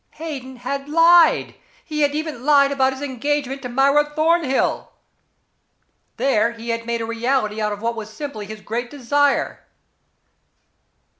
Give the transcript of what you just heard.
Hayden had lied. He had even lied about his engagement to Myra Thornhill. There, he had made a reality out of what was simply his great desire.